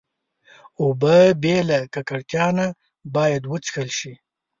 اوبه بې له ککړتیا نه باید وڅښل شي.